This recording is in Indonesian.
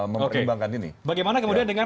mempertimbangkan ini bagaimana kemudian dengan